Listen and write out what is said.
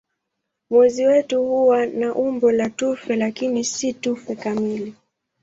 Mwezi wetu huwa na umbo la tufe lakini si tufe kamili.